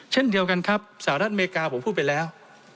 เช่นเดียวกันครับสหรัฐอเมริกาผมพูดไปแล้ว